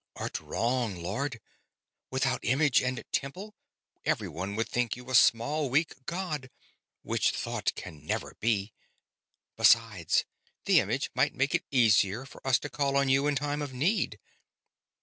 "Art wrong, Lord. Without image and temple, everyone would think you a small, weak god, which thought can never be. Besides, the image might make it easier for me to call on you in time of need."